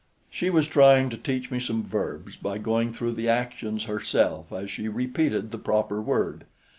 She was trying to teach me some verbs by going through the actions herself as she repeated the proper word.